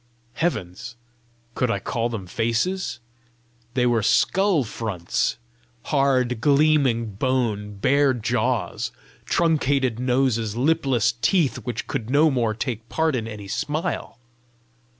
Heavens! could I call them faces? They were skull fronts! hard, gleaming bone, bare jaws, truncated noses, lipless teeth which could no more take part in any smile!